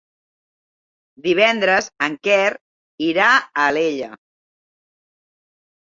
Divendres en Quer irà a Alella.